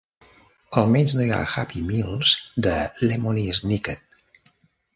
Almenys no hi ha Happy Meals de Lemony Snicket.